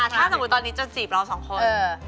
ถ้าสมมุติตอนนี้จะจีบเราสองคน